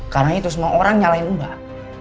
karena itu semua orang nyalain mbak